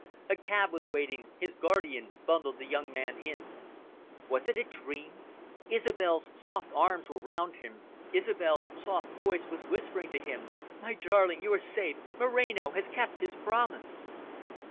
A cab was waiting; his guardian bundled the young man in. Was it a dream? Isobel's soft arms were round him, Isobel's soft voice was whispering to him. "My darling, you are safe. Moreno has kept his promise."